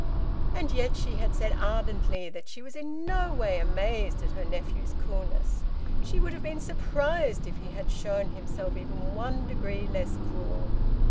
And yet she had said ardently that she was in no way amazed at her nephew's coolness; she would have been surprised if he had shown himself even one degree less cool.